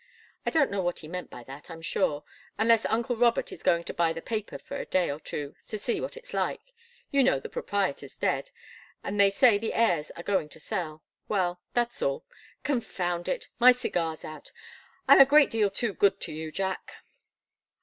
I don't know what he meant by that, I'm sure unless uncle Robert is going to buy the paper for a day or two to see what it's like you know the proprietor's dead, and they say the heirs are going to sell. Well that's all. Confound it, my cigar's out. I'm a great deal too good to you, Jack!"